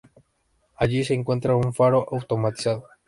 Allí se encuentra un faro automatizado.